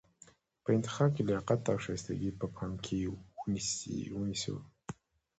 په انتخاب کې لیاقت او شایستګي په پام کې ونیسو.